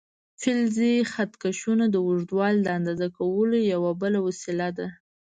فلزي خط کشونه د اوږدوالي د اندازه کولو یوه بله وسیله ده.